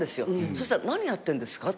そしたら「何やってんですか？」